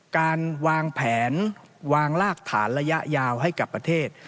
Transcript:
การวางแผนวางรากฐานระยะยาวให้กับประเทศ